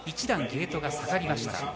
１段ゲートが下がりました。